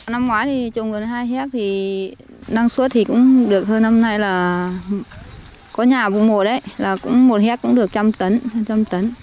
năm ngoái trồng vườn hai hectare năng suất cũng được hơn năm nay là có nhà vùng một một hectare cũng được một trăm linh tấn